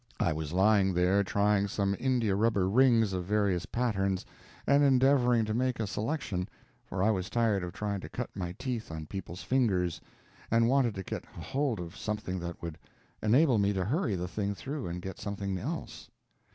I was lying there trying some India rubber rings of various patterns, and endeavoring to make a selection, for I was tired of trying to cut my teeth on people's fingers, and wanted to get hold of something that would enable me to hurry the thing through and get something else.